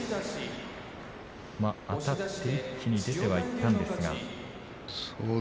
あたって一気に出てはいったんですが。